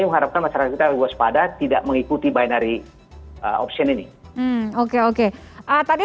mengharapkan masyarakat kita berwaspada tidak mengikuti binary option ini oke oke atasnya